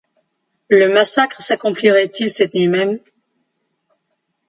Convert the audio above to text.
Le massacre s’accomplirait-il cette nuit même?...